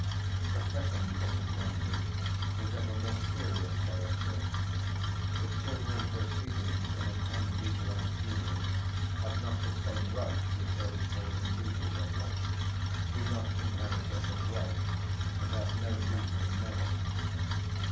The second disadvantage is of a more serious character: the children proceeding from an unlegalised union have not the same rights as those born in legal wedlock, do not inherit as of right, and have no legal name.